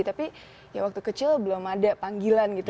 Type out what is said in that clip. tapi ya waktu kecil belum ada panggilan gitu